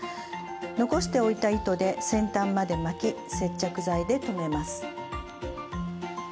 残しておいた糸で先端まで巻き接着剤で留めます。